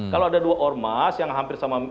kalau ada dua ormas yang hampir sama